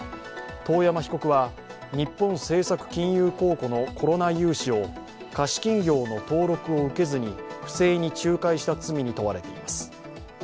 遠山被告は、日本政策金融公庫のコロナ融資を貸金業の登録を受けずに不正に仲介した罪に問われています。